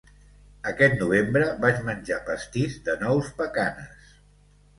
Aquest novembre vaig menjar pastís de nous pecanes.